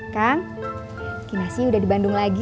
kang kinasi udah di bandung lagi